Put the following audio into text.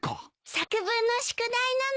作文の宿題なの。